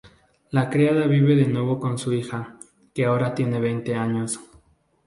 La criada vive de nuevo con su hija, que ahora tiene veinte años.